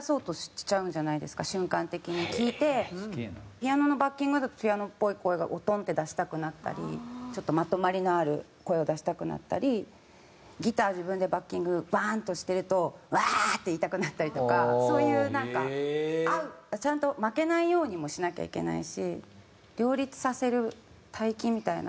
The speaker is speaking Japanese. ピアノのバッキングだとピアノっぽい声がトンって出したくなったりちょっとまとまりのある声を出したくなったりギター自分でバッキングバーン！としてるとうわー！って言いたくなったりとかそういうなんか合うちゃんと負けないようにもしなきゃいけないし両立させる帯域みたいな。